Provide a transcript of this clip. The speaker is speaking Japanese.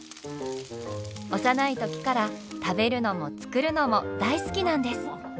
幼い時から食べるのも作るのも大好きなんです。